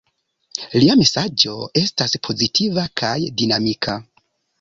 Lia mesaĝo estas pozitiva kaj dinamika.